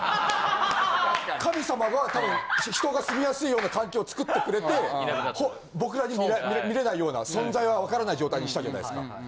神様は多分人が住みやすいような環境を作ってくれて僕らに見れないような存在はわからない状態にしたじゃないですか。